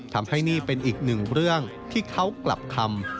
ทำให้นี่เป็นอีกหนึ่งเรื่องที่เขากลับคำ